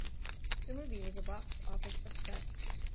The movie was a box office success.